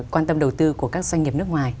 quan tâm đầu tư của các doanh nghiệp nước ngoài